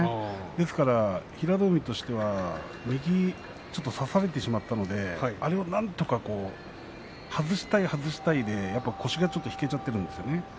ですから平戸海としては右を差されてしまったのであれをなんとか外したい外したいで腰が引けてしまったんですよね。